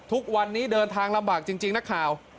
ทุกวันนี้เดินทางลำบากจริงนักข่าว